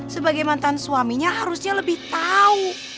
sebagai mantan suaminya harusnya lebih tahu